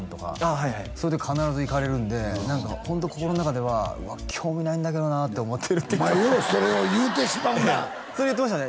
はいはい必ず行かれるんでホント心の中では「興味ないんだけどな」って思ってるって言ってましたようそれを言うてしまうなそれ言ってましたね